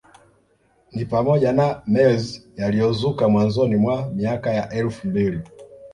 Ni pamoja na mers yaliyozuka mwanzoni mwa miaka ya elfu mbili